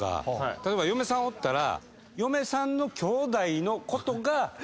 例えば嫁さんおったら。